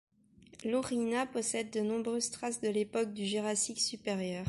Lourinhã possède de nombreuses traces de l’époque du Jurassique supérieur.